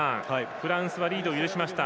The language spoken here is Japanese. フランスはリードを許しました。